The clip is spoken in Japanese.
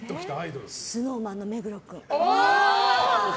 ＳｎｏｗＭａｎの目黒君。